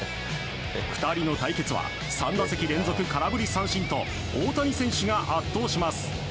２人の対決は３打席連続空振り三振と大谷選手が圧倒します。